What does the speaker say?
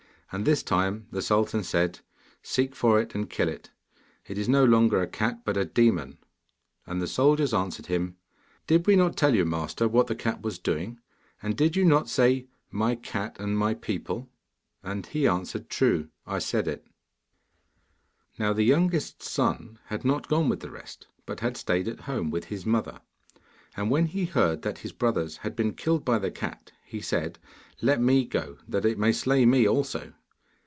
And this time the sultan said: 'Seek for it and kill it. It is no longer a cat, but a demon!' And the soldiers answered him, 'Did we not tell you, master, what the cat was doing, and did you not say, "My cat and my people"?' And he answered: 'True, I said it.' Now the youngest son had not gone with the rest, but had stayed at home with his mother; and when he heard that his brothers had been killed by the cat he said, 'Let me go, that it may slay me also.